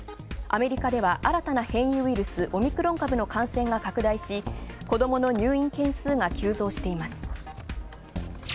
アメリカでは新たな変異ウイルス、オミクロン株の感染が拡大し、子供の入院件数が急増しています。